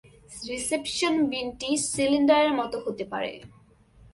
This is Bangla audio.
রিসেপশন বিনটি সিলিন্ডারের মতো হতে পারে।